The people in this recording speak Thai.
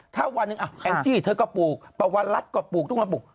ถ้าวันนึงแอมจีเธอก็ปลูกปวารัสก็ปลูกทุกคนปลูก